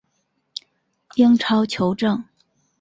英超球证